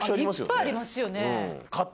いっぱいありますよね。